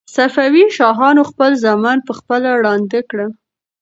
صفوي شاهانو خپل زامن په خپله ړانده کړل.